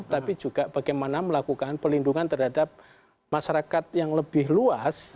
tapi juga bagaimana melakukan pelindungan terhadap masyarakat yang lebih luas